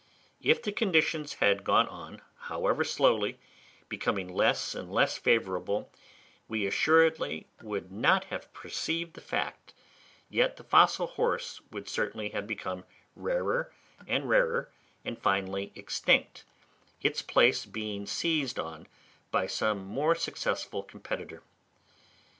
If the conditions had gone on, however slowly, becoming less and less favourable, we assuredly should not have perceived the fact, yet the fossil horse would certainly have become rarer and rarer, and finally extinct—its place being seized on by some more successful competitor.